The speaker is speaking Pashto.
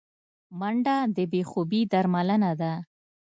منډه د بې خوبي درملنه ده